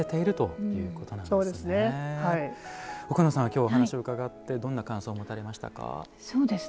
奥野さんは今日お話を伺ってどんな感想もたれましたか。